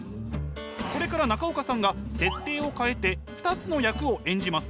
これから中岡さんが設定を変えて２つの役を演じます。